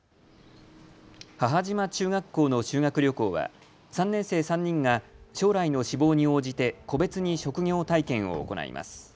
母島中学校の修学旅行は３年生３人が将来の志望に応じて個別に職業体験を行います。